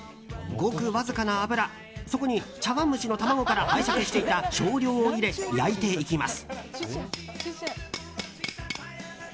ごくわずかな油そこに茶わん蒸しの卵から拝借していた少量を入れ焼いていきます。